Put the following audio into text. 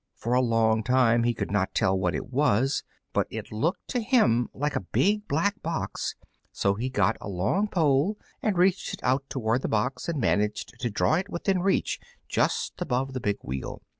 For a long time he could not tell what it was, but it looked to him like a big black box; so he got a long pole and reached it out towards the box and managed to draw it within reach just above the big wheel.